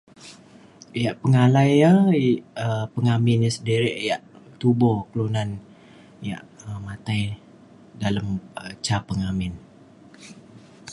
yak pengalai ia’ um pengamin ia’ sedirik yak tubo kelunan yak matai dalem um ca pengamin